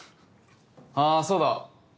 あそうだ。